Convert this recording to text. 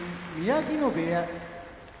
宮城野部屋